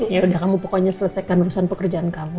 yaudah kamu pokoknya selesaikan urusan pekerjaan kamu